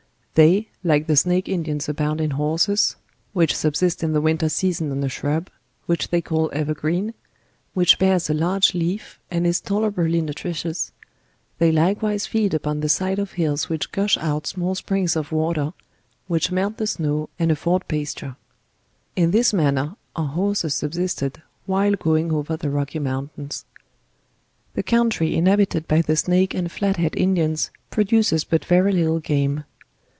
They, like the Snake Indians abound in horses, whichi 28 JOURNAL OF euboist in the winter season on a shrub, which they call evergreen; which bears a Urge leaf, and is tolerably uu tricious; they likewise feed upon the side of hills which gush out small tnrirgs of water, which melt the snow, and afford pasture. In this manner our hurses subsisted while going over the rocky mountains. The country inhabited by the Snake and Flathead Indians produces but very little game.